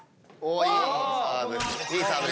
いいサーブ！